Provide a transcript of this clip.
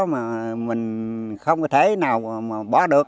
mà mình không thể nào bỏ được